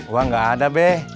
wah gak ada beh